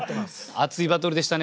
熱いバトルでしたね